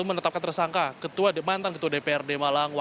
menetapkan tersangka mantan ketua dprd malang